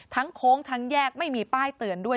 โค้งทั้งแยกไม่มีป้ายเตือนด้วย